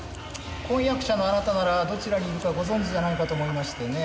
婚約者のあなたならどちらにいるかご存じじゃないかと思いましてね。